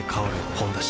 「ほんだし」